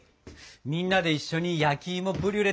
みんなで一緒に焼きいもブリュレ